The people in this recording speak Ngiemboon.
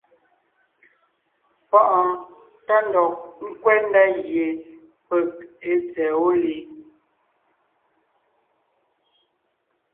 Páʼɔɔn tá ndɔg ńkwɛ́ ndá gie peg èe tsɛ̀ɛ wó li.